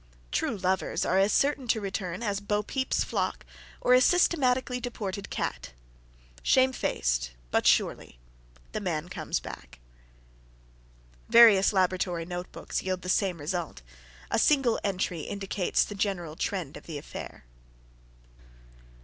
True lovers are as certain to return as Bo Peep's flock or a systematically deported cat. Shame faced, but surely, the man comes back. Various laboratory note books yield the same result. A single entry indicates the general trend of the affair.